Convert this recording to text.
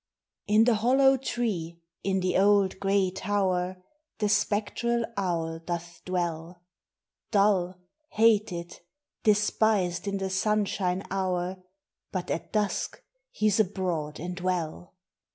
In the hollow tree, in the old grav tower, The spectral owl doth dwell ; Dull, hated, despised, in the sunshine hour, But at dusk he 's abroad and well